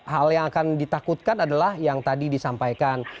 hal yang akan ditakutkan adalah yang tadi disampaikan